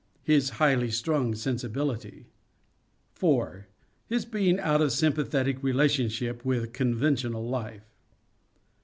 His highly strung sensibility. 4. His being out of sympathetic relationship with conventional life.